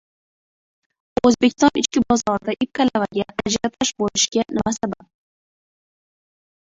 O‘zbekiston ichki bozorida ip-kalavaga "ajiotaj" bo‘lishiga nima sabab?